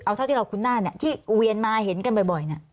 เอาเท่าที่เราคุ้นหน้าที่เวียนมาเห็นกันบ่อย